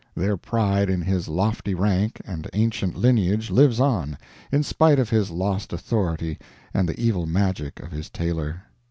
Their pride in his lofty rank and ancient lineage lives on, in spite of his lost authority and the evil magic of his tailor.